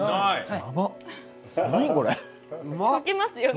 溶けますよね？